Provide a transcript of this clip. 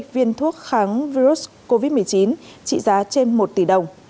bốn mươi viên thuốc kháng virus covid một mươi chín trị giá trên một tỷ đồng